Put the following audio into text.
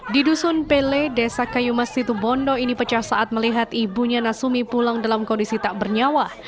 di dusun pele desa kayumas situbondo ini pecah saat melihat ibunya nasumi pulang dalam kondisi tak bernyawa